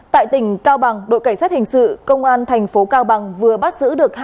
tại tỉnh cao bằng đội cảnh sát hình sự công an thành phố cao bằng vừa bắt giữ được